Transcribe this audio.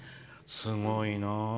すごいなー。